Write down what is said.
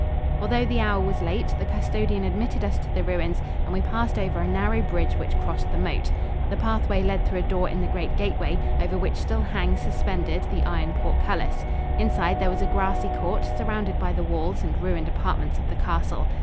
Although the hour was late, the custodian admitted us to the ruins and we passed over a narrow bridge which crossed the moat. The pathway led through a door in the great gateway, over which still hangs suspended the iron port cullis. Inside there was a grassy court, surrounded by the walls and ruined apartments of the castle.